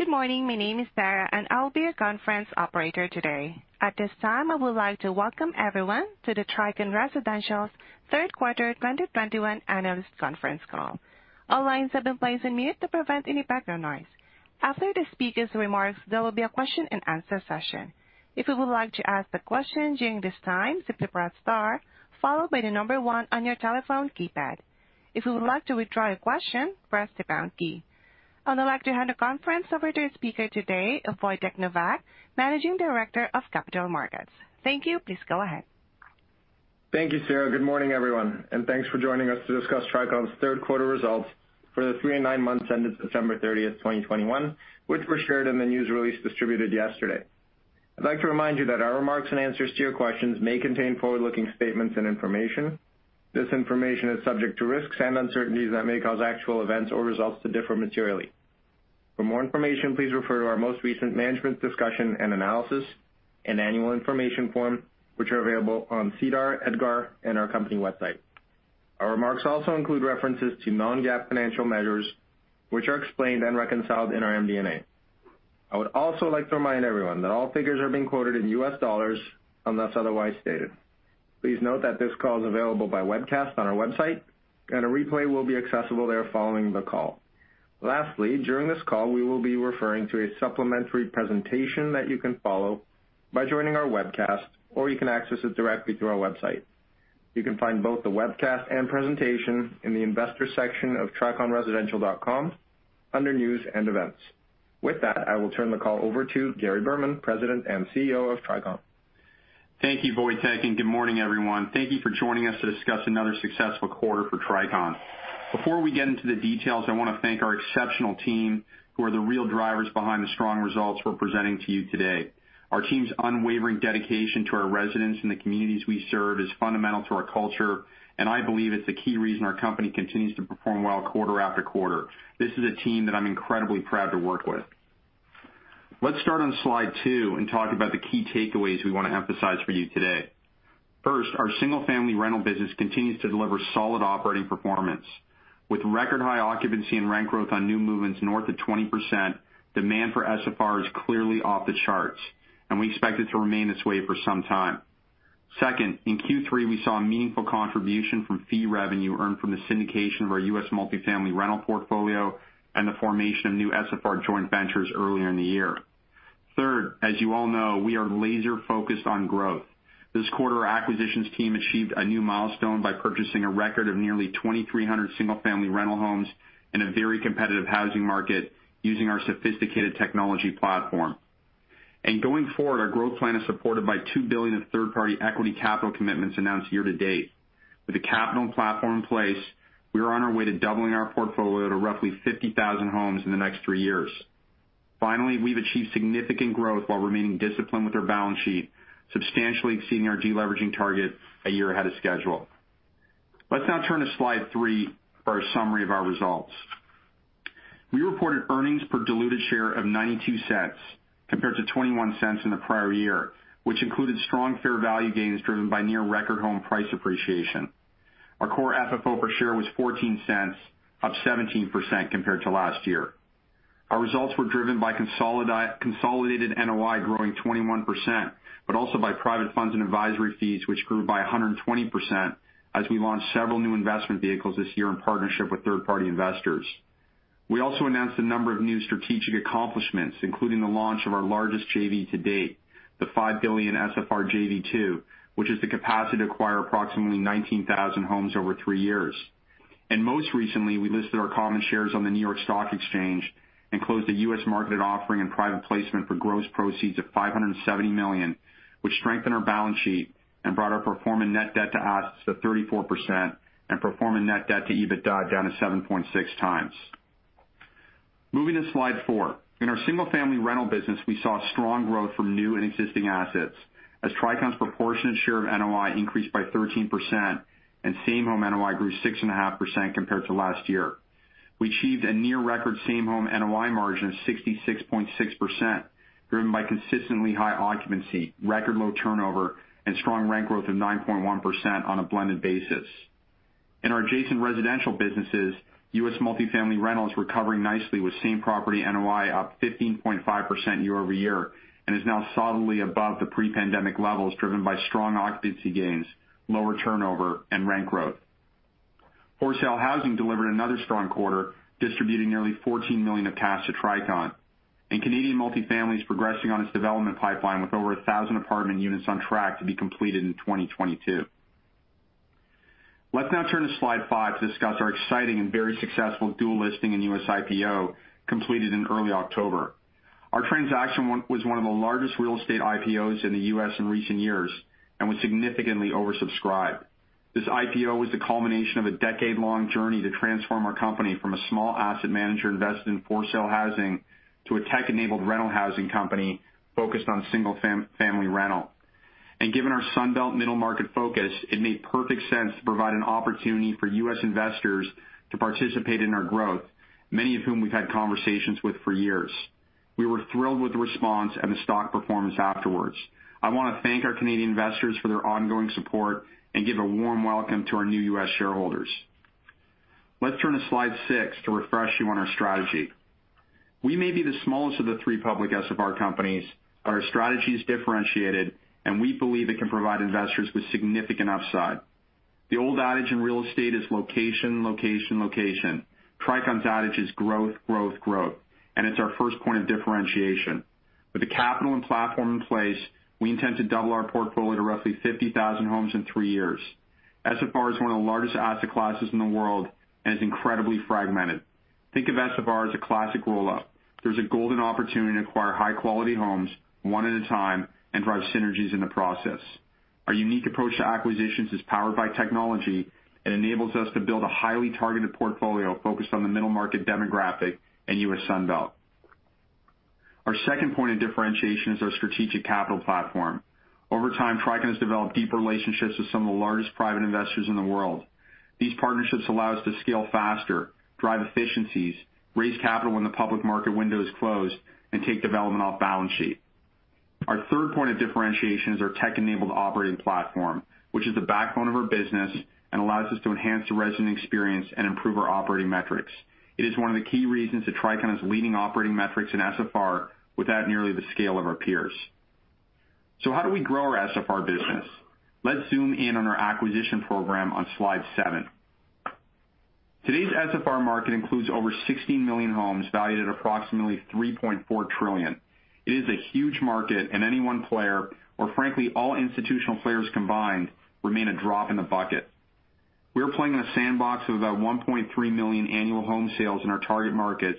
Good morning. My name is Sarah, and I will be your conference operator today. At this time, I would like to welcome everyone to the Tricon Residential's third quarter 2021 analyst conference call. All lines have been placed on mute to prevent any background noise. After the speakers' remarks, there will be a question and answer session. If you would like to ask a question during this time, simply press star, followed by the number one on your telephone keypad. If you would like to withdraw your question, press the pound key. I'd like to hand the conference over to the speaker today, Wojtek Nowak, Managing Director of Capital Markets. Thank you. Please go ahead. Thank you, Sarah. Good morning, everyone, and thanks for joining us to discuss Tricon's third quarter results for the three and nine months ended September 30, 2021, which were shared in the news release distributed yesterday. I'd like to remind you that our remarks and answers to your questions may contain forward-looking statements and information. This information is subject to risks and uncertainties that may cause actual events or results to differ materially. For more information, please refer to our most recent management's discussion and analysis and annual information form, which are available on SEDAR, EDGAR, and our company website. Our remarks also include references to non-GAAP financial measures, which are explained and reconciled in our MD&A. I would also like to remind everyone that all figures are being quoted in US dollars unless otherwise stated. Please note that this call is available by webcast on our website, and a replay will be accessible there following the call. Lastly, during this call, we will be referring to a supplementary presentation that you can follow by joining our webcast, or you can access it directly through our website. You can find both the webcast and presentation in the investor section of triconresidential.com under news and events. With that, I will turn the call over to Gary Berman, President and CEO of Tricon. Thank you, Wojtek, and good morning, everyone. Thank you for joining us to discuss another successful quarter for Tricon. Before we get into the details, I want to thank our exceptional team, who are the real drivers behind the strong results we're presenting to you today. Our team's unwavering dedication to our residents and the communities we serve is fundamental to our culture, and I believe it's a key reason our company continues to perform well quarter after quarter. This is a team that I'm incredibly proud to work with. Let's start on slide 2 and talk about the key takeaways we want to emphasize for you today. First, our single-family rental business continues to deliver solid operating performance. With record high occupancy and rent growth on new movements north of 20%, demand for SFR is clearly off the charts, and we expect it to remain this way for some time. Second, in Q3, we saw a meaningful contribution from fee revenue earned from the syndication of our U.S. multifamily rental portfolio and the formation of new SFR joint ventures earlier in the year. Third, as you all know, we are laser-focused on growth. This quarter, our acquisitions team achieved a new milestone by purchasing a record of nearly 2,300 single-family rental homes in a very competitive housing market using our sophisticated technology platform. Going forward, our growth plan is supported by $2 billion of third-party equity capital commitments announced year to date. With the capital and platform in place, we are on our way to doubling our portfolio to roughly 50,000 homes in the next three years. Finally, we've achieved significant growth while remaining disciplined with our balance sheet, substantially exceeding our deleveraging target a year ahead of schedule. Let's now turn to slide three for a summary of our results. We reported earnings per diluted share of $0.92 compared to $0.21 in the prior year, which included strong fair value gains driven by near record home price appreciation. Our core FFO per share was $0.14, up 17% compared to last year. Our results were driven by consolidated NOI growing 21%, but also by private funds and advisory fees, which grew by 120% as we launched several new investment vehicles this year in partnership with third-party investors. We also announced a number of new strategic accomplishments, including the launch of our largest JV to date, the $5 billion SFR JV-2, which has the capacity to acquire approximately 19,000 homes over three years. Most recently, we listed our common shares on the New York Stock Exchange and closed a U.S. market offering and private placement for gross proceeds of $570 million, which strengthened our balance sheet and brought our performing net debt to assets to 34% and performing net debt to EBITDA down to 7.6x. Moving to slide four. In our single-family rental business, we saw strong growth from new and existing assets as Tricon's proportionate share of NOI increased by 13% and same-home NOI grew 6.5% compared to last year. We achieved a near-record same-home NOI margin of 66.6%, driven by consistently high occupancy, record low turnover, and strong rent growth of 9.1% on a blended basis. In our adjacent residential businesses, U.S. multifamily rentals recovered nicely with same property NOI up 15.5% year-over-year and is now solidly above the pre-pandemic levels driven by strong occupancy gains, lower turnover, and rent growth. For sale housing delivered another strong quarter, distributing nearly $14 million of cash to Tricon. Canadian multifamily is progressing on its development pipeline with over 1,000 apartment units on track to be completed in 2022. Let's now turn to slide five to discuss our exciting and very successful dual listing in U.S. IPO completed in early October. Our transaction was one of the largest real estate IPOs in the U.S. in recent years and was significantly oversubscribed. This IPO was the culmination of a decade-long journey to transform our company from a small asset manager invested in for-sale housing to a tech-enabled rental housing company focused on single-family rental. Given our Sun Belt middle market focus, it made perfect sense to provide an opportunity for U.S. investors to participate in our growth, many of whom we've had conversations with for years. We were thrilled with the response and the stock performance afterwards. I wanna thank our Canadian investors for their ongoing support and give a warm welcome to our new U.S. shareholders. Let's turn to slide six to refresh you on our strategy. We may be the smallest of the three public SFR companies, but our strategy is differentiated, and we believe it can provide investors with significant upside. The old adage in real estate is location, location. Tricon's adage is growth, growth, and it's our first point of differentiation. With the capital and platform in place, we intend to double our portfolio to roughly 50,000 homes in three years. SFR is one of the largest asset classes in the world and is incredibly fragmented. Think of SFR as a classic roll-up. There's a golden opportunity to acquire high-quality homes one at a time and drive synergies in the process. Our unique approach to acquisitions is powered by technology and enables us to build a highly targeted portfolio focused on the middle market demographic and U.S. Sun Belt. Our second point of differentiation is our strategic capital platform. Over time, Tricon has developed deep relationships with some of the largest private investors in the world. These partnerships allow us to scale faster, drive efficiencies, raise capital when the public market window is closed, and take development off-balance sheet. Our third point of differentiation is our tech-enabled operating platform, which is the backbone of our business and allows us to enhance the resident experience and improve our operating metrics. It is one of the key reasons that Tricon has leading operating metrics in SFR without nearly the scale of our peers. How do we grow our SFR business? Let's zoom in on our acquisition program on slide seven. Today's SFR market includes over 16 million homes valued at approximately $3.4 trillion. It is a huge market, and any one player, or frankly, all institutional players combined, remain a drop in the bucket. We're playing in a sandbox of about 1.3 million annual home sales in our target markets,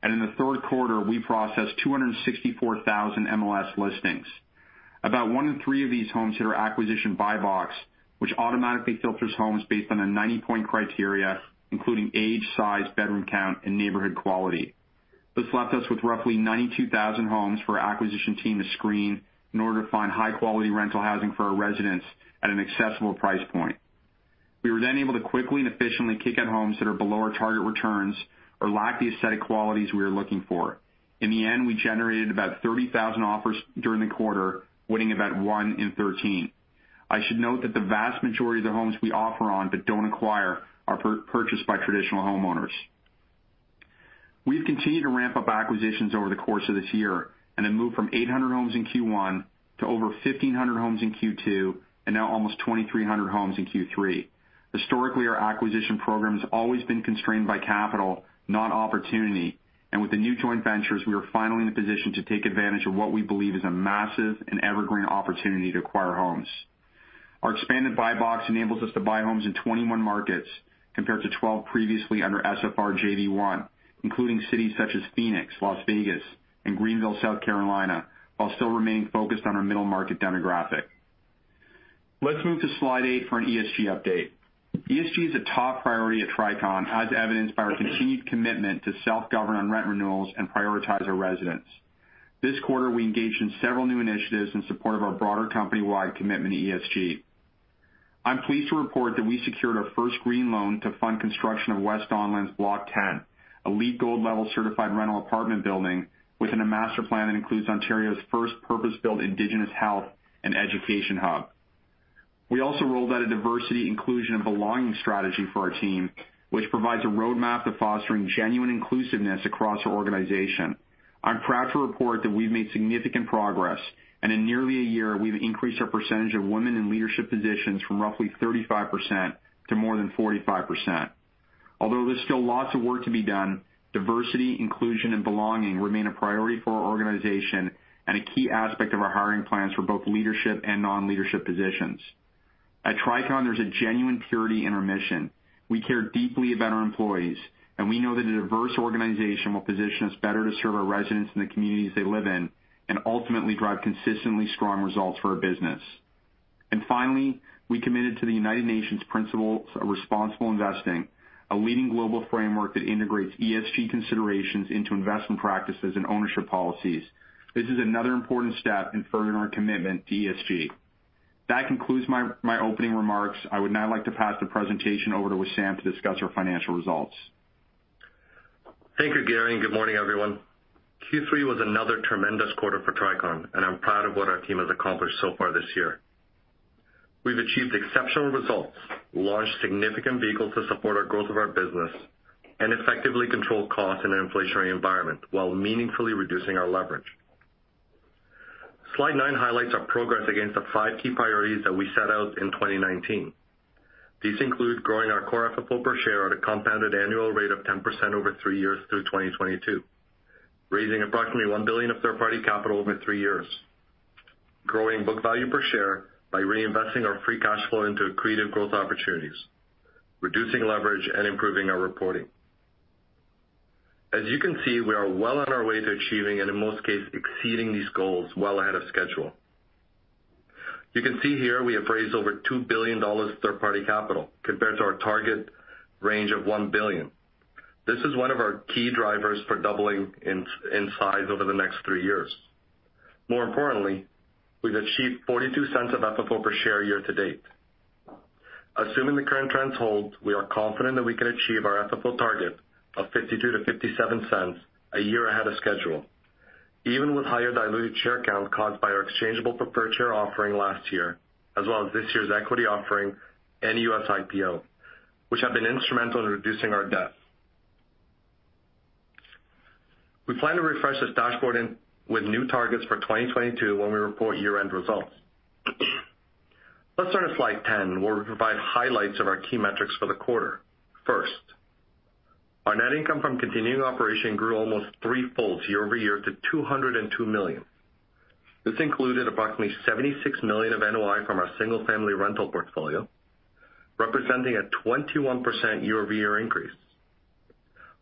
and in the third quarter, we processed 264,000 MLS listings. About one in three of these homes hit our acquisition buy box, which automatically filters homes based on a 90-point criteria, including age, size, bedroom count, and neighborhood quality. This left us with roughly 92,000 homes for our acquisition team to screen in order to find high-quality rental housing for our residents at an accessible price point. We were then able to quickly and efficiently kick out homes that are below our target returns or lack the aesthetic qualities we are looking for. In the end, we generated about 30,000 offers during the quarter, winning about one in 13. I should note that the vast majority of the homes we offer on but don't acquire are purchased by traditional homeowners. We've continued to ramp up acquisitions over the course of this year and have moved from 800 homes in Q1 to over 1,500 homes in Q2, and now almost 2,300 homes in Q3. Historically, our acquisition program has always been constrained by capital, not opportunity, and with the new joint ventures, we are finally in a position to take advantage of what we believe is a massive and evergreen opportunity to acquire homes. Our expanded buy box enables us to buy homes in 21 markets, compared to 12 previously under SFR JV-1, including cities such as Phoenix, Las Vegas, and Greenville, South Carolina, while still remaining focused on our middle market demographic. Let's move to slide eight for an ESG update. ESG is a top priority at Tricon, as evidenced by our continued commitment to self-governed rent renewals and prioritize our residents. This quarter, we engaged in several new initiatives in support of our broader company-wide commitment to ESG. I'm pleased to report that we secured our first green loan to fund construction of West Don Lands Block 10, a LEED Gold level certified rental apartment building within a master plan that includes Ontario's first purpose-built indigenous health and education hub. We also rolled out a diversity, inclusion, and belonging strategy for our team, which provides a roadmap to fostering genuine inclusiveness across our organization. I'm proud to report that we've made significant progress, and in nearly a year, we've increased our percentage of women in leadership positions from roughly 35% to more than 45%. Although there's still lots of work to be done, diversity, inclusion, and belonging remain a priority for our organization and a key aspect of our hiring plans for both leadership and non-leadership positions. At Tricon, there's a genuine purity in our mission. We care deeply about our employees, and we know that a diverse organization will position us better to serve our residents in the communities they live in and ultimately drive consistently strong results for our business. Finally, we committed to the United Nations principles of responsible investing, a leading global framework that integrates ESG considerations into investment practices and ownership policies. This is another important step in furthering our commitment to ESG. That concludes my opening remarks. I would now like to pass the presentation over to Wissam to discuss our financial results. Thank you, Gary, and good morning, everyone. Q3 was another tremendous quarter for Tricon, and I'm proud of what our team has accomplished so far this year. We've achieved exceptional results, launched significant vehicles to support our growth of our business, and effectively controlled costs in an inflationary environment while meaningfully reducing our leverage. Slide 9 highlights our progress against the five key priorities that we set out in 2019. These include growing our core FFO per share at a compounded annual rate of 10% over three years through 2022, raising approximately $1 billion of third-party capital over three years, growing book value per share by reinvesting our free cash flow into accretive growth opportunities, reducing leverage, and improving our reporting. As you can see, we are well on our way to achieving, and in most cases, exceeding these goals well ahead of schedule. You can see here we have raised over $2 billion third-party capital compared to our target range of $1 billion. This is one of our key drivers for doubling in size over the next three years. More importantly, we've achieved $0.42 of FFO per share year to date. Assuming the current trends hold, we are confident that we can achieve our FFO target of $0.52-$0.57 a year ahead of schedule, even with higher diluted share count caused by our exchangeable preferred share offering last year, as well as this year's equity offering and U.S. IPO, which have been instrumental in reducing our debt. We plan to refresh this dashboard with new targets for 2022 when we report year-end results. Let's turn to slide 10, where we provide highlights of our key metrics for the quarter. First, our net income from continuing operations grew almost threefold year-over-year to $202 million. This included approximately $76 million of NOI from our single-family rental portfolio, representing a 21% year-over-year increase.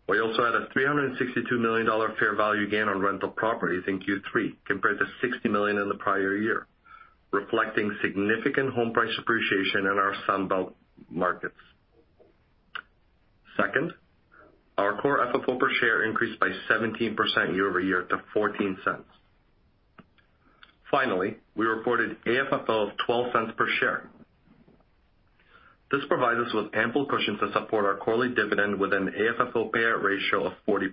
We also had a $362 million fair value gain on rental properties in Q3 compared to $60 million in the prior year, reflecting significant home price appreciation in our Sunbelt markets. Second, our core FFO per share increased by 17% year-over-year to $0.14. Finally, we reported AFFO of $0.12 per share. This provides us with ample cushion to support our quarterly dividend with an AFFO payout ratio of 40%.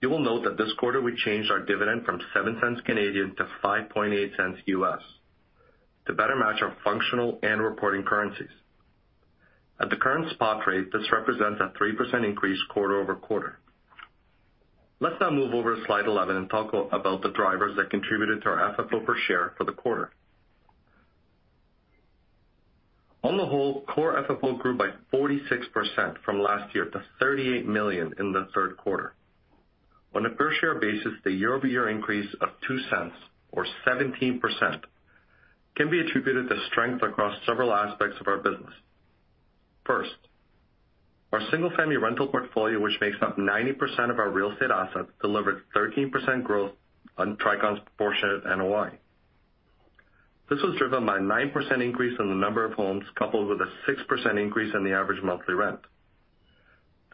You will note that this quarter we changed our dividend from 0.07 to $0.058 to better match our functional and reporting currencies. At the current spot rate, this represents a 3% increase quarter-over-quarter. Let's now move over to slide 11 and talk about the drivers that contributed to our FFO per share for the quarter. On the whole, core FFO grew by 46% from last year to $38 million in the third quarter. On a per-share basis, the year-over-year increase of $0.02 or 17% can be attributed to strength across several aspects of our business. First, our single-family rental portfolio, which makes up 90% of our real estate assets, delivered 13% growth on Tricon's proportionate NOI. This was driven by 9% increase in the number of homes, coupled with a 6% increase in the average monthly rent.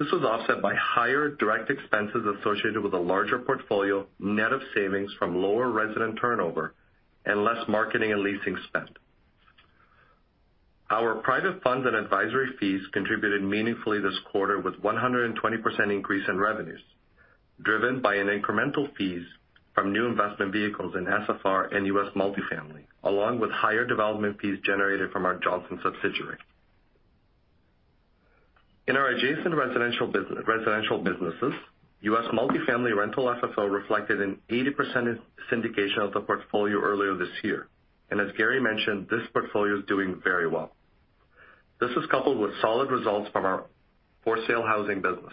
This was offset by higher direct expenses associated with a larger portfolio, net of savings from lower resident turnover and less marketing and leasing spend. Our private funds and advisory fees contributed meaningfully this quarter with 120% increase in revenues driven by an incremental fees from new investment vehicles in SFR and U.S. multifamily, along with higher development fees generated from our Johnson subsidiary. In our adjacent residential businesses, U.S. multifamily rental FFO reflected an 80% syndication of the portfolio earlier this year. As Gary mentioned, this portfolio is doing very well. This is coupled with solid results from our for sale housing business.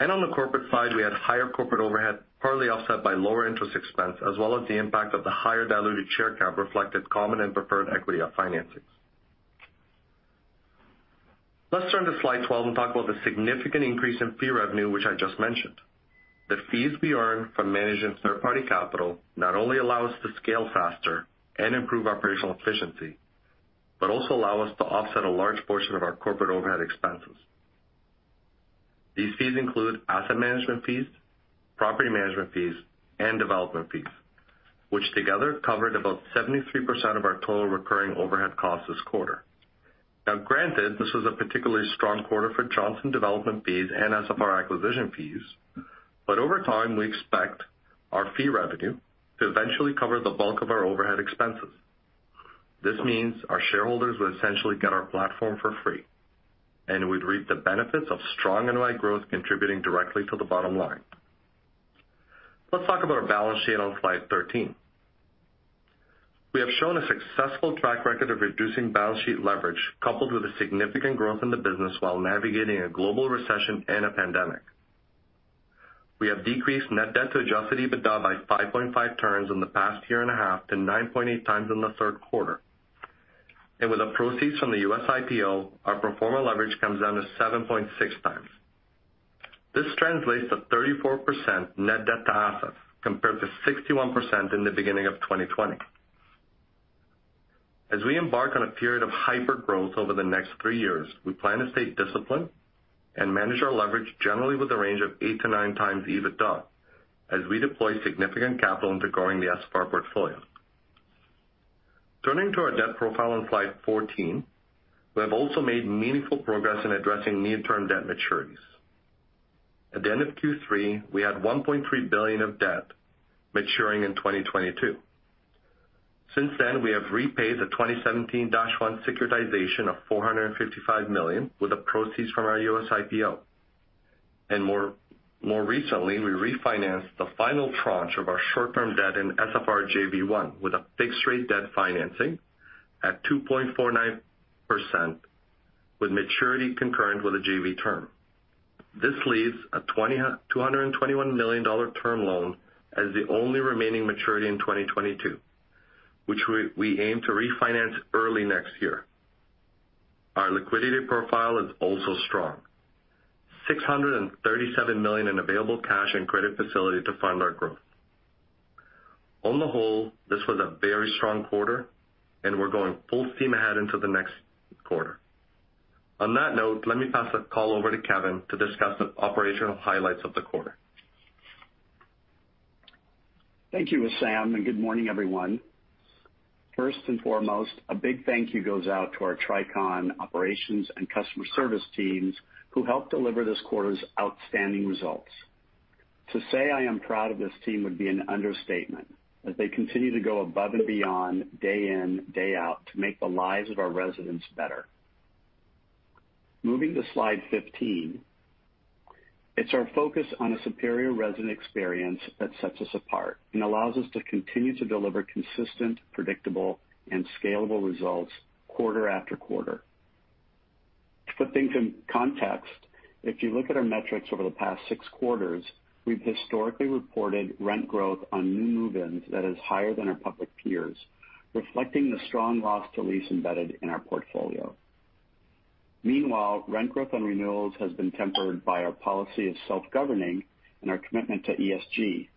On the corporate side, we had higher corporate overhead, partly offset by lower interest expense, as well as the impact of the higher diluted share count reflected common and preferred equity of financings. Let's turn to slide 12 and talk about the significant increase in fee revenue, which I just mentioned. The fees we earn from managing third-party capital not only allow us to scale faster and improve operational efficiency, but also allow us to offset a large portion of our corporate overhead expenses. These fees include asset management fees, property management fees, and development fees, which together covered about 73% of our total recurring overhead costs this quarter. Now granted, this was a particularly strong quarter for Johnson development fees and SFR acquisition fees, but over time, we expect our fee revenue to eventually cover the bulk of our overhead expenses. This means our shareholders will essentially get our platform for free, and we'd reap the benefits of strong NOI growth contributing directly to the bottom line. Let's talk about our balance sheet on slide 13. We have shown a successful track record of reducing balance sheet leverage, coupled with a significant growth in the business while navigating a global recession and a pandemic. We have decreased net debt to adjusted EBITDA by 5.5 times in the past year and a half to 9.8 times in the third quarter. With the proceeds from the U.S. IPO, our pro forma leverage comes down to 7.6 times. This translates to 34% net debt to assets, compared to 61% in the beginning of 2020. As we embark on a period of hyper growth over the next three years, we plan to stay disciplined and manage our leverage generally with a range of eight to nine times EBITDA as we deploy significant capital into growing the SFR portfolio. Turning to our debt profile on slide 14, we have also made meaningful progress in addressing near-term debt maturities. At the end of Q3, we had $1.3 billion of debt maturing in 2022. Since then, we have repaid the 2017-1 securitization of $455 million with the proceeds from our U.S. IPO. More recently, we refinanced the final tranche of our short-term debt in SFR JV-1 with a fixed rate debt financing at 2.49% with maturity concurrent with the JV term. This leaves a $221 million term loan as the only remaining maturity in 2022, which we aim to refinance early next year. Our liquidity profile is also strong. $637 million in available cash and credit facility to fund our growth. On the whole, this was a very strong quarter and we're going full steam ahead into the next quarter. On that note, let me pass the call over to Kevin to discuss the operational highlights of the quarter. Thank you, Wissam, and good morning, everyone. First and foremost, a big thank you goes out to our Tricon operations and customer service teams who helped deliver this quarter's outstanding results. To say I am proud of this team would be an understatement, as they continue to go above and beyond day in, day out to make the lives of our residents better. Moving to slide 15. It's our focus on a superior resident experience that sets us apart and allows us to continue to deliver consistent, predictable, and scalable results quarter after quarter. To put things in context, if you look at our metrics over the past six quarters, we've historically reported rent growth on new move-ins that is higher than our public peers, reflecting the strong loss to lease embedded in our portfolio. Meanwhile, rent growth on renewals has been tempered by our policy of self-governing and our commitment to ESG.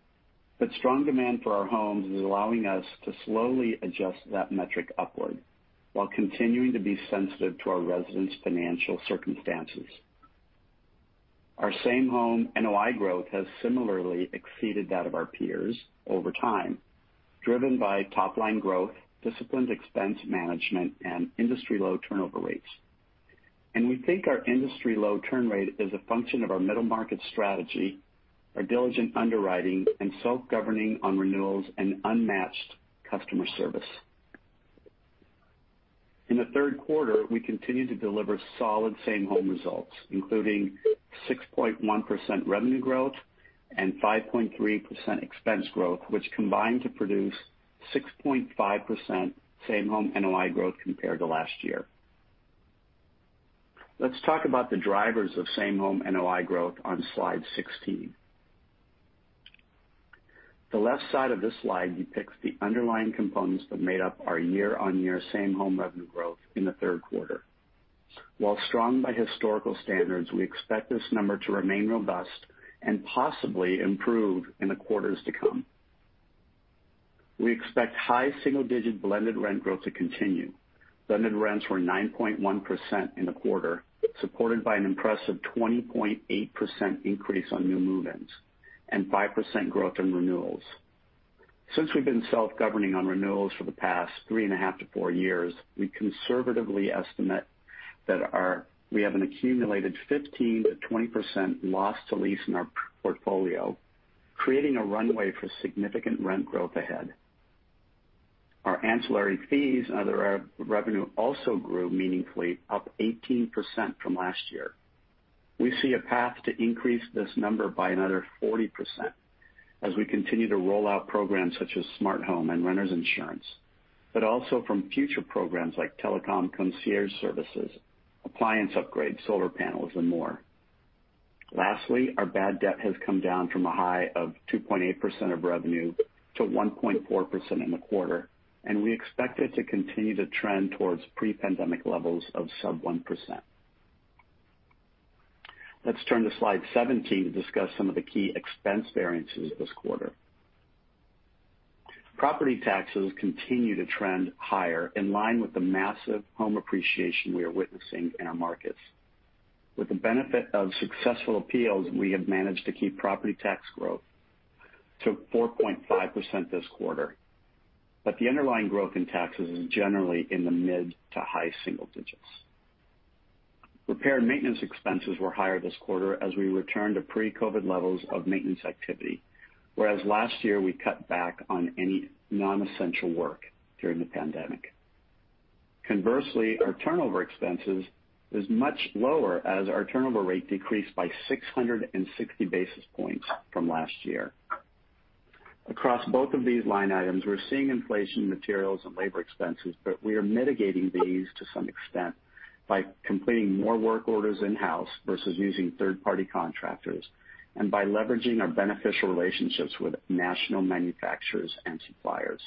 Strong demand for our homes is allowing us to slowly adjust that metric upward while continuing to be sensitive to our residents' financial circumstances. Our same home NOI growth has similarly exceeded that of our peers over time, driven by top line growth, disciplined expense management, and industry low turnover rates. We think our industry low turn rate is a function of our middle market strategy, our diligent underwriting, and self-governing on renewals and unmatched customer service. In the third quarter, we continued to deliver solid same home results, including 6.1% revenue growth and 5.3% expense growth, which combined to produce 6.5% same home NOI growth compared to last year. Let's talk about the drivers of same home NOI growth on slide 16. The left side of this slide depicts the underlying components that made up our year-on-year same home revenue growth in the third quarter. While strong by historical standards, we expect this number to remain robust and possibly improve in the quarters to come. We expect high single digit blended rent growth to continue. Blended rents were 9.1% in the quarter, supported by an impressive 20.8% increase on new move-ins and 5% growth in renewals. Since we've been self-governing on renewals for the past 3.5-4 years, we conservatively estimate that we have an accumulated 15%-20% loss to lease in our portfolio, creating a runway for significant rent growth ahead. Our ancillary fees and other re-revenue also grew meaningfully, up 18% from last year. We see a path to increase this number by another 40% as we continue to roll out programs such as Smart Home and Renters Insurance, but also from future programs like Telecom Concierge Services, appliance upgrades, solar panels, and more. Lastly, our bad debt has come down from a high of 2.8% of revenue to 1.4% in the quarter, and we expect it to continue to trend towards pre-pandemic levels of sub 1%. Let's turn to slide 17 to discuss some of the key expense variances this quarter. Property taxes continue to trend higher in line with the massive home appreciation we are witnessing in our markets. With the benefit of successful appeals, we have managed to keep property tax growth to 4.5% this quarter. The underlying growth in taxes is generally in the mid to high single digits. Repair and maintenance expenses were higher this quarter as we return to pre-COVID levels of maintenance activity, whereas last year we cut back on any non-essential work during the pandemic. Conversely, our turnover expenses is much lower as our turnover rate decreased by 660 basis points from last year. Across both of these line items, we're seeing inflation in materials and labor expenses, but we are mitigating these to some extent by completing more work orders in-house versus using third-party contractors and by leveraging our beneficial relationships with national manufacturers and suppliers.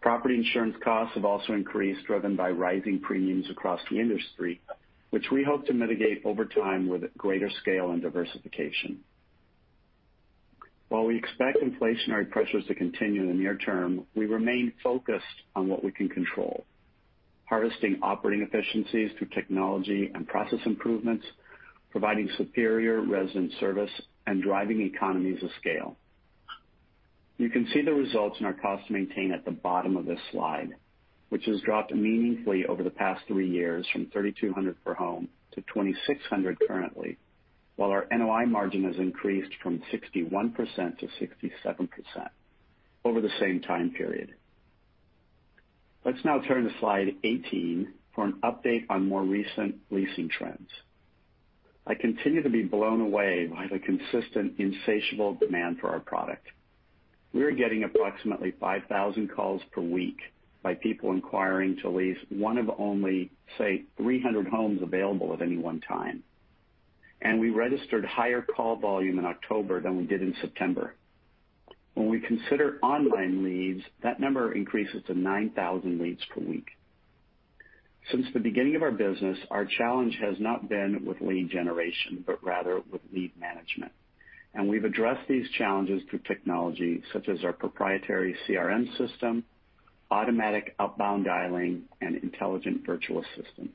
Property insurance costs have also increased, driven by rising premiums across the industry, which we hope to mitigate over time with greater scale and diversification. While we expect inflationary pressures to continue in the near term, we remain focused on what we can control, harvesting operating efficiencies through technology and process improvements, providing superior resident service, and driving economies of scale. You can see the results in our cost to maintain at the bottom of this slide, which has dropped meaningfully over the past 3 years from $3,200 per home to $2,600 currently, while our NOI margin has increased from 61% to 67% over the same time period. Let's now turn to slide 18 for an update on more recent leasing trends. I continue to be blown away by the consistent, insatiable demand for our product. We are getting approximately 5,000 calls per week by people inquiring to lease one of only, say, 300 homes available at any one time. We registered higher call volume in October than we did in September. When we consider online leads, that number increases to 9,000 leads per week. Since the beginning of our business, our challenge has not been with lead generation, but rather with lead management. We've addressed these challenges through technology such as our proprietary CRM system, automatic outbound dialing, and intelligent virtual assistant.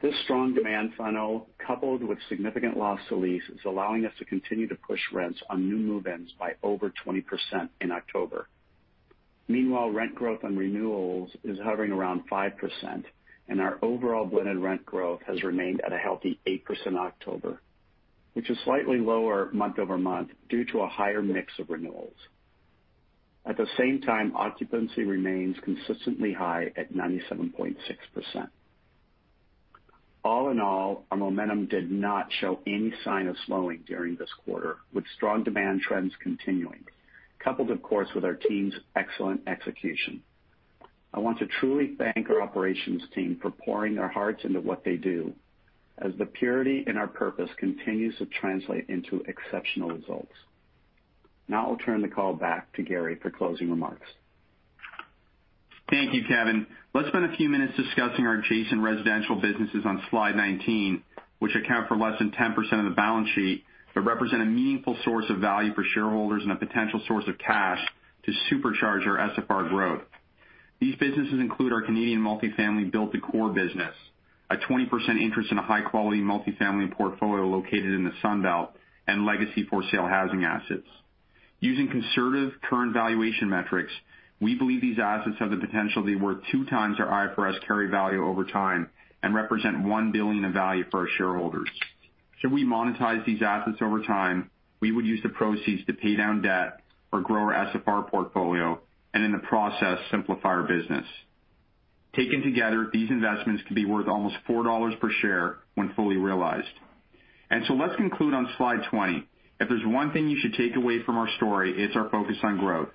This strong demand funnel, coupled with significant loss of lease, is allowing us to continue to push rents on new move-ins by over 20% in October. Meanwhile, rent growth on renewals is hovering around 5%, and our overall blended rent growth has remained at a healthy 8% in October, which is slightly lower month-over-month due to a higher mix of renewals. At the same time, occupancy remains consistently high at 97.6%. All in all, our momentum did not show any sign of slowing during this quarter, with strong demand trends continuing, coupled of course, with our team's excellent execution. I want to truly thank our operations team for pouring their hearts into what they do as the purity in our purpose continues to translate into exceptional results. Now I'll turn the call back to Gary for closing remarks. Thank you, Kevin. Let's spend a few minutes discussing our adjacent residential businesses on slide 19, which account for less than 10% of the balance sheet, but represent a meaningful source of value for shareholders and a potential source of cash to supercharge our SFR growth. These businesses include our Canadian multifamily built to core business, a 20% interest in a high-quality multifamily portfolio located in the Sun Belt and legacy for sale housing assets. Using conservative current valuation metrics, we believe these assets have the potential to be worth 2x our IFRS carry value over time and represent $1 billion in value for our shareholders. Should we monetize these assets over time, we would use the proceeds to pay down debt or grow our SFR portfolio and in the process, simplify our business. Taken together, these investments could be worth almost $4 per share when fully realized. Let's conclude on slide 20. If there's one thing you should take away from our story, it's our focus on growth.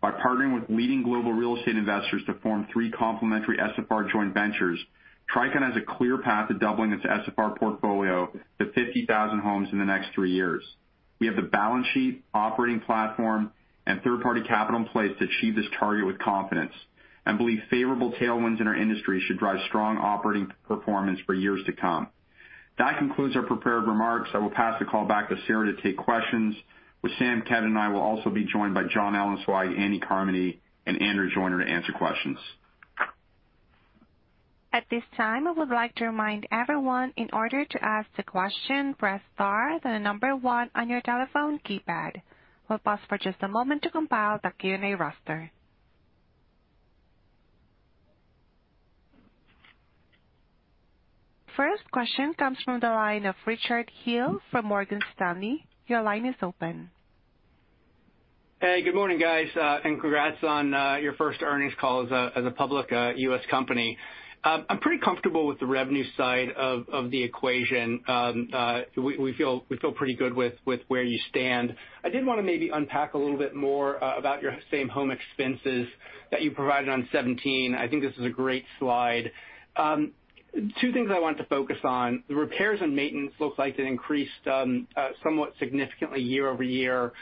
By partnering with leading global real estate investors to form three complementary SFR joint ventures, Tricon has a clear path to doubling its SFR portfolio to 50,000 homes in the next three years. We have the balance sheet, operating platform, and third-party capital in place to achieve this target with confidence and believe favorable tailwinds in our industry should drive strong operating performance for years to come. That concludes our prepared remarks. I will pass the call back to Sarah to take questions with Sam, Kevin, and I will also be joined by Jon Ellenzweig, Andy Carmody, and Andrew Joyner to answer questions. At this time, I would like to remind everyone in order to ask the question, press star, then the number one on your telephone keypad. We'll pause for just a moment to compile the Q&A roster. First question comes from the line of Richard Hill from Morgan Stanley. Your line is open. Hey, good morning, guys, and congrats on your first earnings call as a public U.S. company. I'm pretty comfortable with the revenue side of the equation. We feel pretty good with where you stand. I did wanna maybe unpack a little bit more about your same home expenses that you provided on 17. I think this is a great slide. Two things I wanted to focus on. The repairs and maintenance looks like it increased somewhat significantly year-over-year.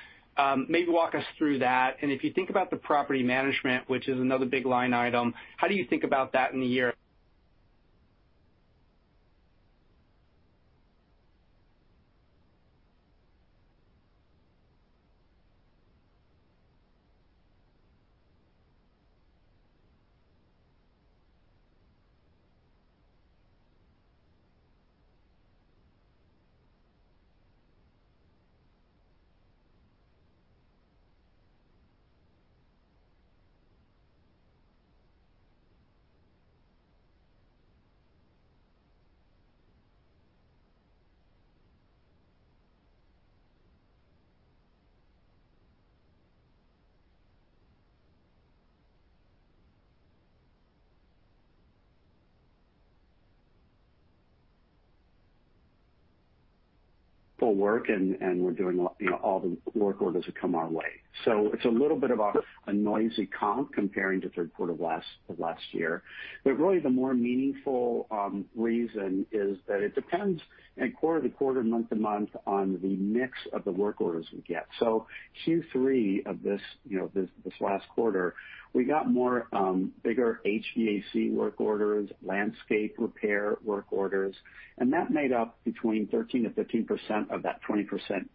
Maybe walk us through that. If you think about the property management, which is another big line item, how do you think about that in the year- We're doing, you know, all the work orders that come our way. It's a little bit of a noisy comp comparing to third quarter last year. Really the more meaningful reason is that it depends in quarter-to-quarter, month-to-month on the mix of the work orders we get. Q3 of this, you know, last quarter, we got more bigger HVAC work orders, landscape repair work orders, and that made up between 13%-15% of that 20%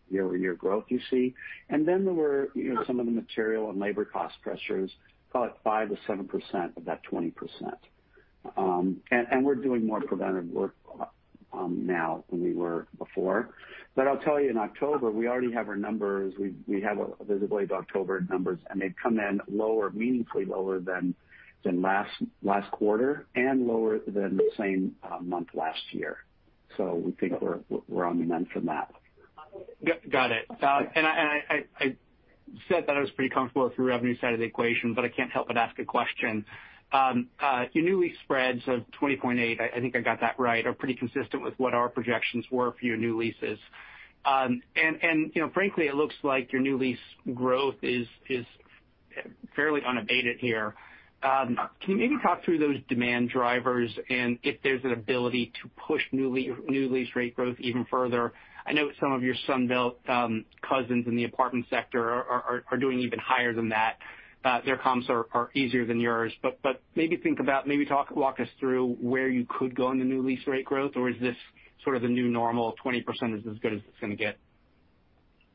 year-over-year growth you see. Then there were, you know, some of the material and labor cost pressures, call it 5%-7% of that 20%. We're doing more preventive work now than we were before. I'll tell you in October, we already have our numbers. We have a visibility to October numbers, and they've come in lower, meaningfully lower than last quarter and lower than the same month last year. We think we're on the mend from that. Got it. I said that I was pretty comfortable with your revenue side of the equation, but I can't help but ask a question. Your new lease spreads of 20.8%, I think I got that right, are pretty consistent with what our projections were for your new leases. You know, frankly, it looks like your new lease growth is fairly unabated here. Can you maybe talk through those demand drivers and if there's an ability to push new lease rate growth even further? I know some of your Sun Belt cousins in the apartment sector are doing even higher than that. Their comps are easier than yours. Maybe walk us through where you could go in the new lease rate growth, or is this sort of the new normal, 20% is as good as it's gonna get?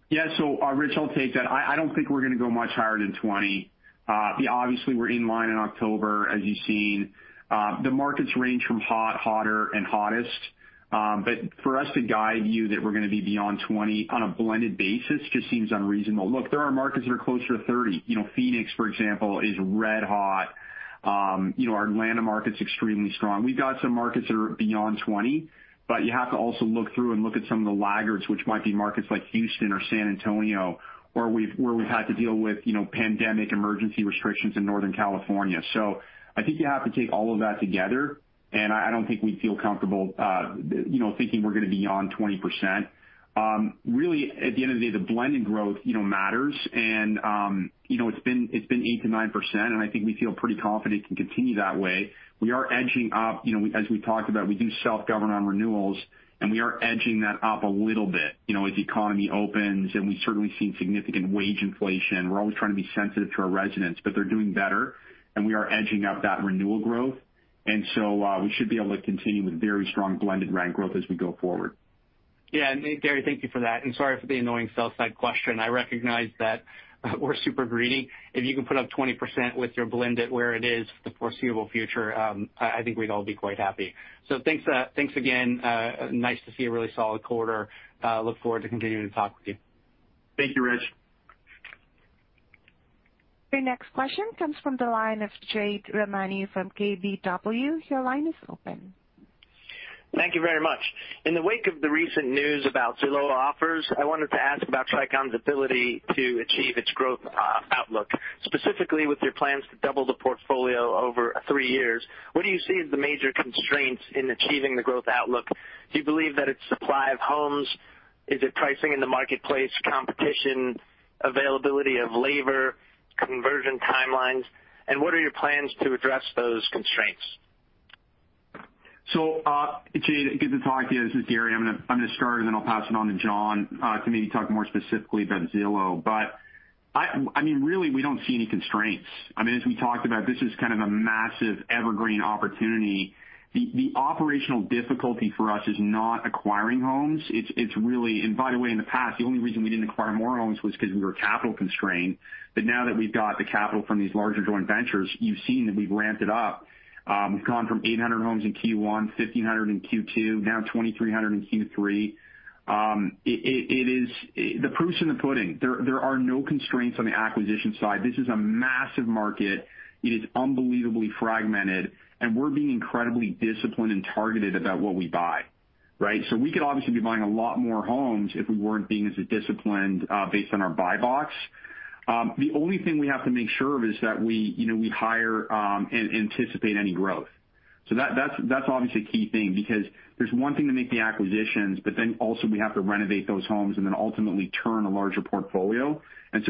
Yeah. Rich, I'll take that. I don't think we're gonna go much higher than 20%. Obviously, we're in line in October, as you've seen. The markets range from hot, hotter, and hottest. But for us to guide you that we're gonna be beyond 20% on a blended basis just seems unreasonable. Look, there are markets that are closer to 30%. You know, Phoenix, for example, is red hot. You know, our Atlanta market's extremely strong. We've got some markets that are beyond 20%, but you have to also look through and look at some of the laggards, which might be markets like Houston or San Antonio, where we've had to deal with, you know, pandemic emergency restrictions in Northern California. I think you have to take all of that together, and I don't think we'd feel comfortable, you know, thinking we're gonna be beyond 20%. Really, at the end of the day, the blended growth, you know, matters and, you know, it's been 8%-9%, and I think we feel pretty confident it can continue that way. We are edging up, you know, as we talked about. We do self-govern on renewals, and we are edging that up a little bit, you know, as the economy opens, and we've certainly seen significant wage inflation. We're always trying to be sensitive to our residents, but they're doing better, and we are edging up that renewal growth. We should be able to continue with very strong blended rent growth as we go forward. Yeah. Gary, thank you for that. Sorry for the annoying sell side question. I recognize that we're super greedy. If you can put up 20% with your blend at where it is for the foreseeable future, I think we'd all be quite happy. Thanks, thanks again. Nice to see a really solid quarter. I look forward to continuing to talk with you. Thank you, Rich. Your next question comes from the line of Jade Rahmani from KBW. Your line is open. Thank you very much. In the wake of the recent news about Zillow Offers, I wanted to ask about Tricon's ability to achieve its growth outlook, specifically with your plans to double the portfolio over three years. What do you see as the major constraints in achieving the growth outlook? Do you believe that it's supply of homes? Is it pricing in the marketplace, competition, availability of labor, conversion timelines? What are your plans to address those constraints? Jade, good to talk to you. This is Gary. I'm gonna start, and then I'll pass it on to John to maybe talk more specifically about Zillow. I mean, really, we don't see any constraints. I mean, as we talked about, this is kind of a massive evergreen opportunity. The operational difficulty for us is not acquiring homes. It's really. By the way, in the past, the only reason we didn't acquire more homes was 'cause we were capital constrained. Now that we've got the capital from these larger joint ventures, you've seen that we've ramped it up. We've gone from 800 homes in Q1, 1,500 in Q2, now 2,300 in Q3. It is. The proof's in the pudding. There are no constraints on the acquisition side. This is a massive market. It is unbelievably fragmented, and we're being incredibly disciplined and targeted about what we buy, right? We could obviously be buying a lot more homes if we weren't being as disciplined based on our buy box. The only thing we have to make sure of is that we, you know, we hire and anticipate any growth. That's obviously a key thing because there's one thing to make the acquisitions, but then also we have to renovate those homes and then ultimately turn a larger portfolio.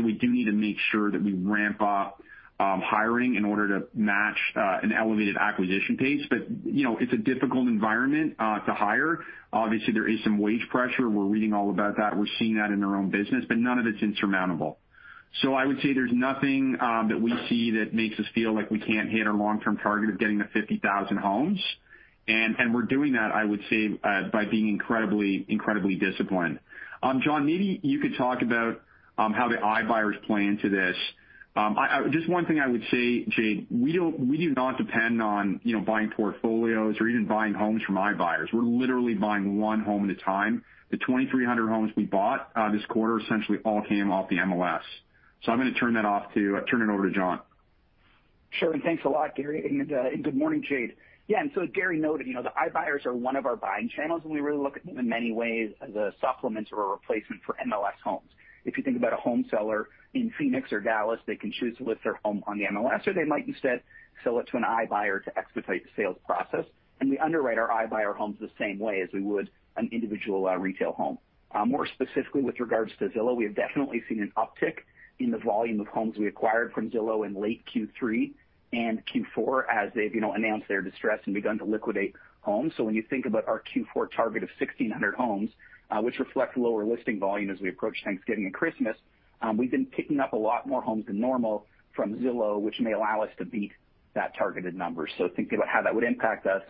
We do need to make sure that we ramp up hiring in order to match an elevated acquisition pace. You know, it's a difficult environment to hire. Obviously, there is some wage pressure. We're reading all about that. We're seeing that in our own business, but none of it's insurmountable. I would say there's nothing that we see that makes us feel like we can't hit our long-term target of getting to 50,000 homes. We're doing that, I would say, by being incredibly disciplined. Jon Ellenzweig, maybe you could talk about how the iBuyers play into this. Just one thing I would say, Jade Rahmani, we do not depend on, you know, buying portfolios or even buying homes from iBuyers. We're literally buying one home at a time. The 2,300 homes we bought this quarter essentially all came off the MLS. I'm gonna turn it over to Jon Ellenzweig. Sure. Thanks a lot, Gary. Good morning, Jade. Yeah, as Gary noted, you know, the iBuyers are one of our buying channels, and we really look at them in many ways as a supplement or a replacement for MLS homes. If you think about a home seller in Phoenix or Dallas, they can choose to list their home on the MLS, or they might instead sell it to an iBuyer to expedite the sales process. We underwrite our iBuyer homes the same way as we would an individual, retail home. More specifically with regards to Zillow, we have definitely seen an uptick in the volume of homes we acquired from Zillow in late Q3 and Q4 as they've, you know, announced their distress and begun to liquidate homes. When you think about our Q4 target of 1,600 homes, which reflects lower listing volume as we approach Thanksgiving and Christmas, we've been picking up a lot more homes than normal from Zillow, which may allow us to beat that targeted number. Thinking about how that would impact us,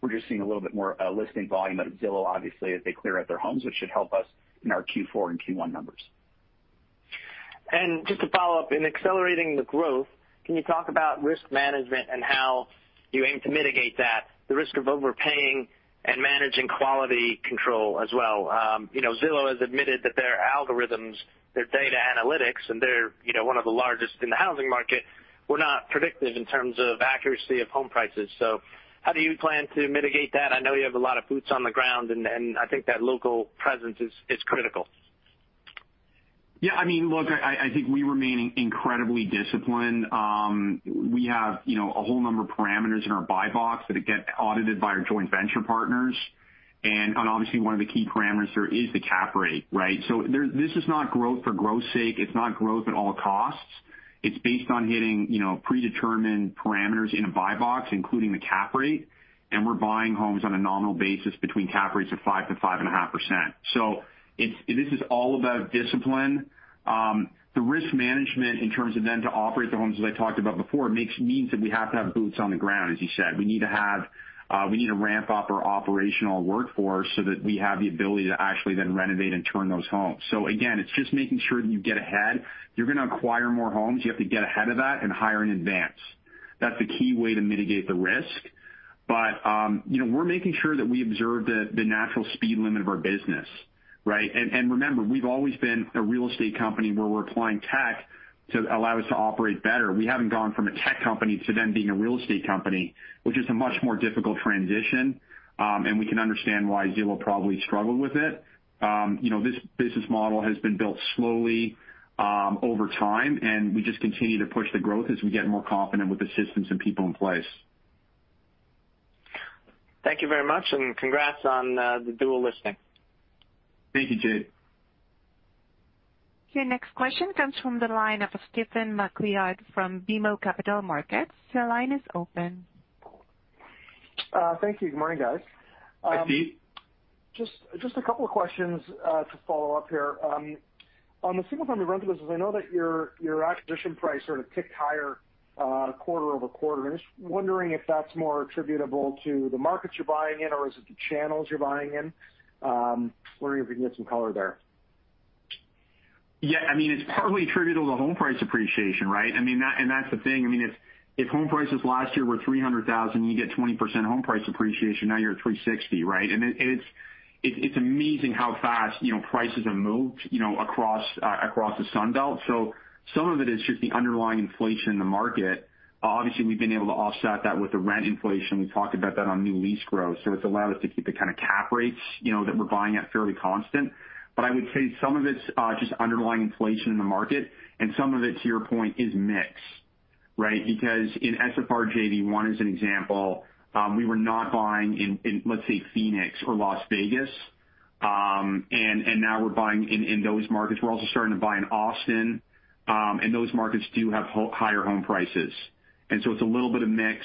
we're just seeing a little bit more listing volume out of Zillow, obviously, as they clear out their homes, which should help us in our Q4 and Q1 numbers. Just to follow up, in accelerating the growth, can you talk about risk management and how you aim to mitigate that, the risk of overpaying and managing quality control as well? You know, Zillow has admitted that their algorithms, their data analytics, and they are, you know, one of the largest in the housing market, were not predictive in terms of accuracy of home prices. How do you plan to mitigate that? I know you have a lot of boots on the ground, and I think that local presence is critical. Yeah. I mean, look, I think we remain incredibly disciplined. We have, you know, a whole number of parameters in our buy box that get audited by our joint venture partners. Obviously one of the key parameters there is the cap rate, right? This is not growth for growth's sake. It's not growth at all costs. It's based on hitting, you know, predetermined parameters in a buy box, including the cap rate, and we're buying homes on a nominal basis between cap rates of 5%-5.5%. This is all about discipline. The risk management in terms of then to operate the homes, as I talked about before, means that we have to have boots on the ground, as you said. We need to ramp up our operational workforce so that we have the ability to actually then renovate and turn those homes. Again, it's just making sure that you get ahead. If you're gonna acquire more homes, you have to get ahead of that and hire in advance. That's a key way to mitigate the risk. You know, we're making sure that we observe the natural speed limit of our business, right? Remember, we've always been a real estate company where we're applying tech to allow us to operate better. We haven't gone from a tech company to then being a real estate company, which is a much more difficult transition, and we can understand why Zillow probably struggled with it. You know, this business model has been built slowly over time, and we just continue to push the growth as we get more confident with the systems and people in place. Thank you very much, and congrats on the dual listing. Thank you, Jade Rahmani. Your next question comes from the line of Stephen MacLeod from BMO Capital Markets. Your line is open. Thank you. Good morning, guys. Hi, Steve. Just a couple of questions to follow up here. On the single-family rental business, I know that your acquisition price sort of ticked higher quarter-over-quarter. I'm just wondering if that's more attributable to the markets you're buying in or is it the channels you're buying in? Wondering if you can give some color there. Yeah. I mean, it's partly attributable to home price appreciation, right? I mean, that. That's the thing, I mean, if home prices last year were $300,000, you get 20% home price appreciation, now you're at $360,000, right? It's amazing how fast, you know, prices have moved, you know, across the Sun Belt. Some of it is just the underlying inflation in the market. Obviously, we've been able to offset that with the rent inflation. We talked about that on new lease growth. It's allowed us to keep the kinda cap rates, you know, that we're buying at fairly constant. I would say some of it's just underlying inflation in the market, and some of it, to your point, is mix, right? Because in SFR JV One, as an example, we were not buying in, let's say, Phoenix or Las Vegas, and now we're buying in those markets. We're also starting to buy in Austin, and those markets do have higher home prices. It's a little bit of mix.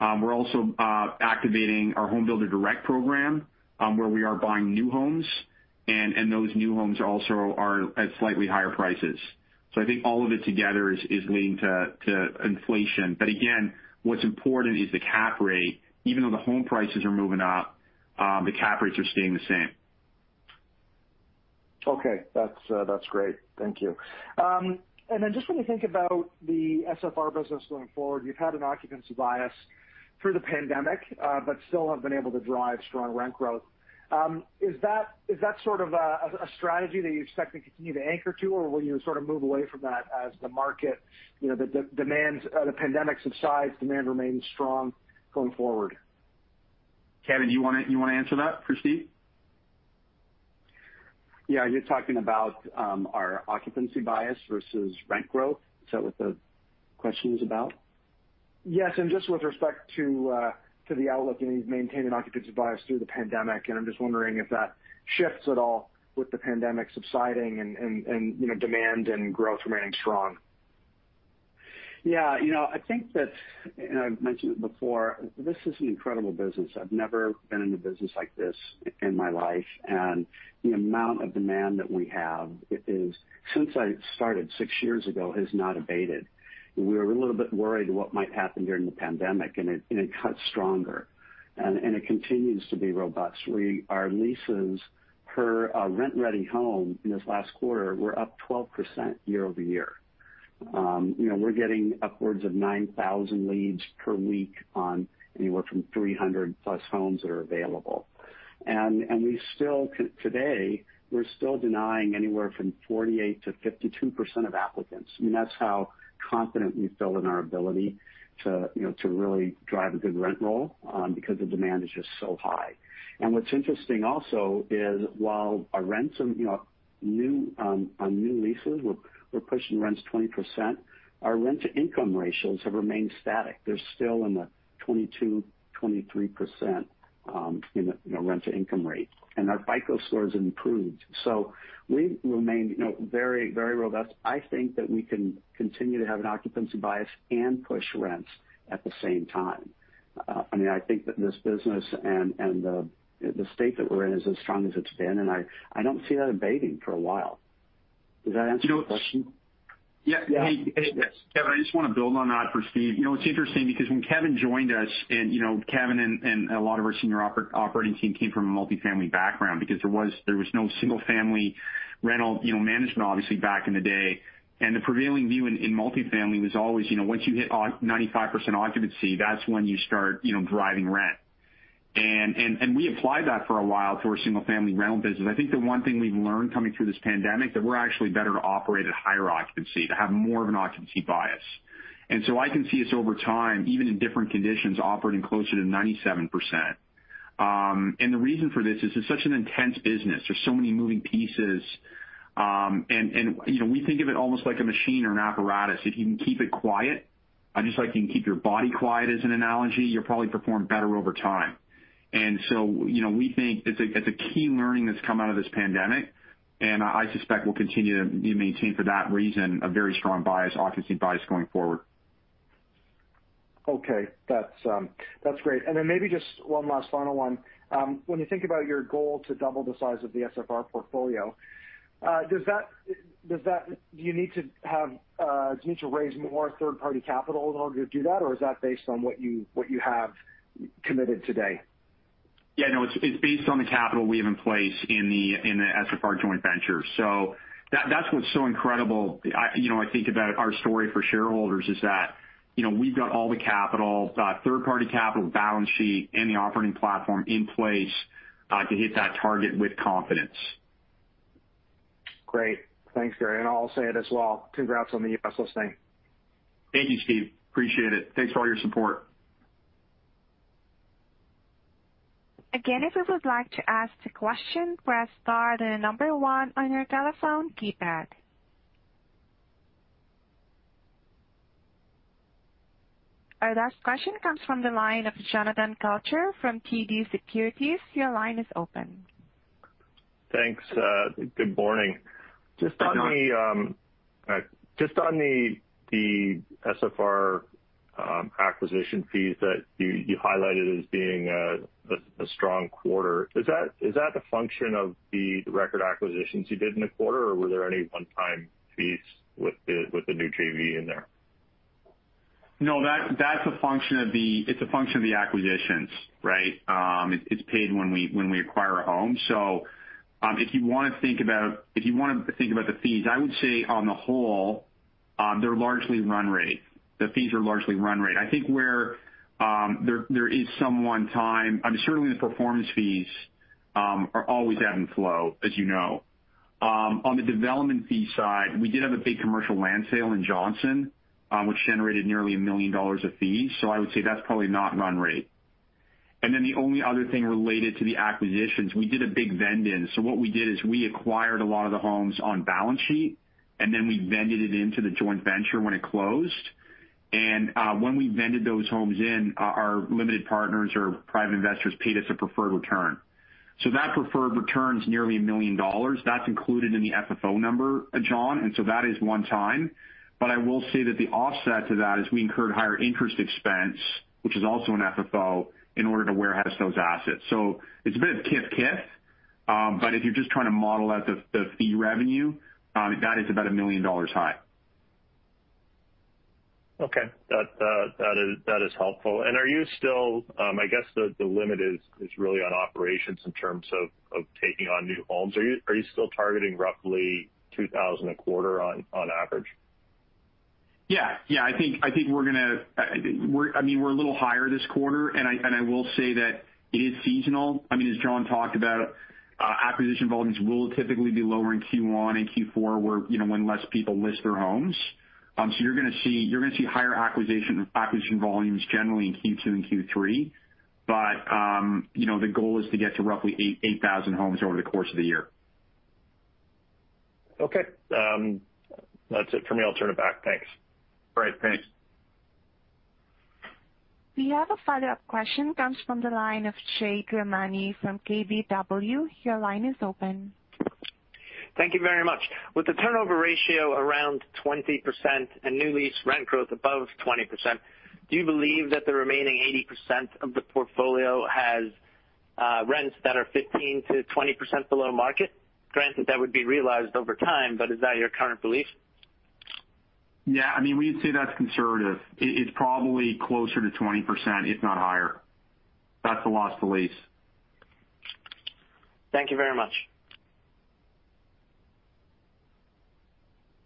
We're also activating our home builder direct program, where we are buying new homes, and those new homes also are at slightly higher prices. I think all of it together is leading to inflation. Again, what's important is the cap rate. Even though the home prices are moving up, the cap rates are staying the same. Okay. That's great. Thank you. Just when you think about the SFR business going forward, you've had an occupancy bias through the pandemic, but still have been able to drive strong rent growth. Is that sort of a strategy that you expect to continue to anchor to, or will you sort of move away from that as the market, you know, the pandemic subsides, demand remains strong going forward? Kevin, do you wanna answer that for Steve? Yeah. You're talking about, our occupancy bias versus rent growth. Is that what the question is about? Yes. Just with respect to the outlook and maintaining occupancy bias through the pandemic, and I'm just wondering if that shifts at all with the pandemic subsiding and, you know, demand and growth remaining strong? Yeah. You know, I think that, and I've mentioned it before, this is an incredible business. I've never been in a business like this in my life. The amount of demand that we have is, since I started six years ago, has not abated. We were a little bit worried what might happen during the pandemic, and it came stronger. It continues to be robust. Our leases per our rent-ready home in this last quarter were up 12% year-over-year. You know, we're getting upwards of 9,000 leads per week on anywhere from 300+ homes that are available. We still today we're still denying anywhere from 48%-52% of applicants. I mean, that's how confident we feel in our ability to, you know, to really drive a good rent roll, because the demand is just so high. What's interesting also is while our rents and, you know, our new leases, we're pushing rents 20%, our rent to income ratios have remained static. They're still in the 22%-23%, you know, rent to income rate. Our FICO scores have improved. We've remained, you know, very, very robust. I think that we can continue to have an occupancy bias and push rents at the same time. I mean, I think that this business and the state that we're in is as strong as it's been, and I don't see that abating for a while. Does that answer your question? You know. Yeah. Yeah. Hey, yes. Kevin, I just wanna build on that for Steve. You know, it's interesting because when Kevin joined us and, you know, Kevin and a lot of our senior operating team came from a multifamily background because there was no single family rental, you know, management obviously back in the day. The prevailing view in multifamily was always, you know, once you hit 95% occupancy, that's when you start, you know, driving rent. We applied that for a while through our single family rental business. I think the one thing we've learned coming through this pandemic, that we're actually better to operate at higher occupancy, to have more of an occupancy bias. I can see us over time, even in different conditions, operating closer to 97%. The reason for this is it's such an intense business. There's so many moving pieces, you know, we think of it almost like a machine or an apparatus. If you can keep it quiet, and just like you can keep your body quiet as an analogy, you'll probably perform better over time. You know, we think it's a key learning that's come out of this pandemic, and I suspect we'll continue to maintain for that reason a very strong bias, occupancy bias going forward. Okay. That's great. Maybe just one last final one. When you think about your goal to double the size of the SFR portfolio, do you need to raise more third-party capital in order to do that, or is that based on what you have committed today? Yeah, no, it's based on the capital we have in place in the SFR joint venture. That's what's so incredible. You know, I think about our story for shareholders is that, you know, we've got all the capital, third-party capital, balance sheet and the operating platform in place to hit that target with confidence. Great. Thanks, Gary. I'll say it as well. Congrats on the U.S. listing. Thank you, Steve. Appreciate it. Thanks for all your support. Our last question comes from the line of Jonathan Kelcher from TD Securities. Your line is open. Thanks. Good morning. Good morning. Just on the SFR acquisition fees that you highlighted as being a strong quarter. Is that a function of the record acquisitions you did in the quarter, or were there any one-time fees with the new JV in there? No. That's a function of the acquisitions, right? It's paid when we acquire a home. If you wanna think about the fees, I would say on the whole, they're largely run rate. The fees are largely run rate. I think where there is some one-time, I mean, certainly the performance fees are always ebb and flow, as you know. On the development fee side, we did have a big commercial land sale in Johnson, which generated nearly $1 million of fees. I would say that's probably not run rate. The only other thing related to the acquisitions, we did a big vend-in. What we did is we acquired a lot of the homes on balance sheet, and then we vended it into the joint venture when it closed. When we vended those homes in, our limited partners or private investors paid us a preferred return. That preferred return's nearly $1 million. That's included in the FFO number, John, that is one time. I will say that the offset to that is we incurred higher interest expense, which is also an FFO in order to warehouse those assets. It's a bit of kif-kif, but if you're just trying to model out the fee revenue, that is about $1 million high. Okay. That is helpful. Are you still, I guess the limit is really on operations in terms of taking on new homes. Are you still targeting roughly 2000 a quarter on average? Yeah. Yeah. I think, I mean, we're a little higher this quarter, and I will say that it is seasonal. I mean, as Jon Ellenzweig talked about, acquisition volumes will typically be lower in Q1 and Q4, where, you know, when less people list their homes. So you're gonna see higher acquisition volumes generally in Q2 and Q3. But, you know, the goal is to get to roughly 8,000 homes over the course of the year. Okay. That's it for me. I'll turn it back. Thanks. Great. Thanks. We have a follow-up question comes from the line of Jade Rahmani from KBW. Your line is open. Thank you very much. With the turnover ratio around 20% and new lease rent growth above 20%, do you believe that the remaining 80% of the portfolio has rents that are 15%-20% below market? Granted, that would be realized over time, but is that your current belief? Yeah, I mean, we'd say that's conservative. It's probably closer to 20%, if not higher. That's the loss to lease. Thank you very much.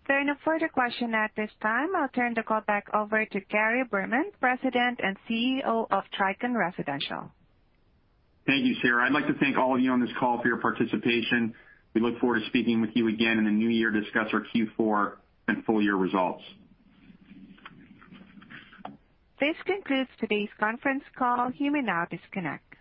There are no further questions at this time. I'll turn the call back over to Gary Berman, President and CEO of Tricon Residential. Thank you, Sarah. I'd like to thank all of you on this call for your participation. We look forward to speaking with you again in the new year to discuss our Q4 and full year results. This concludes today's conference call. You may now disconnect.